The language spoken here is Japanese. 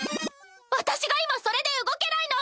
私が今それで動けないの。